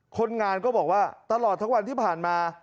คนงานก็บอกว่าตลอดทั้งวันที่ผ่านมา